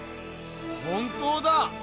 本当だ！